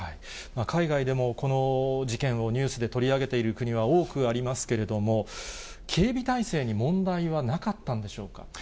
海外でも、この事件をニュースで取り上げている国は多くありますけれども、警備体制に問題はなかったんでしょうか。